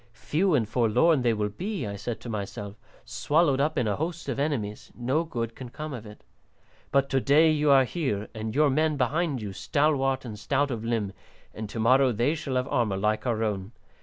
Few and forlorn they will be, I said to myself, swallowed up in a host of enemies; no good can come of it. But to day you are here, and your men behind you, stalwart and stout of limb, and to morrow they shall have armour like our own.